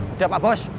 udah pak bos